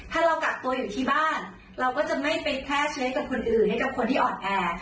ถ้าเรากักตัวอยู่ที่บ้านเราก็จะไม่ไปแพร่เชื้อกับคนอื่นให้กับคนที่อ่อนแอ